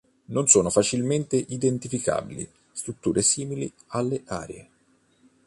Non sono facilmente identificabili strutture simili alle arie.